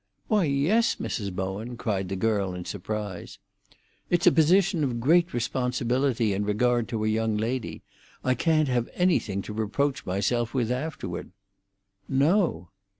"Why, yes, Mrs. Bowen," cried the girl, in surprise. "It's a position of great responsibility in regard to a young lady. I can't have anything to reproach myself with afterward." "No."